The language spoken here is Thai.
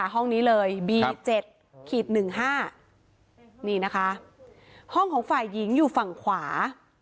ห้องของฝ่ายหญิงอยู่ฝั่งขวา